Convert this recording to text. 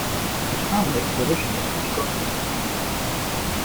His family is originally from Scotland.